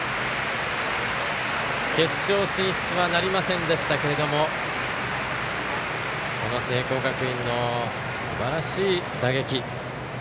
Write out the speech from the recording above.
決勝進出はなりませんでしたがこの聖光学院のすばらしい打撃。